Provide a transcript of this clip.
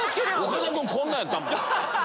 岡田君こんなやったもん。